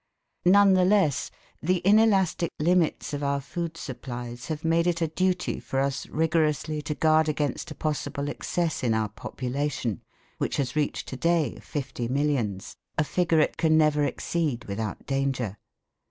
None the less the inelastic limits of our food supplies have made it a duty for us rigorously to guard against a possible excess in our population which has reached to day fifty millions, a figure it can never exceed without danger.